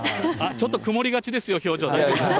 ちょっと曇りがちですよ、表情。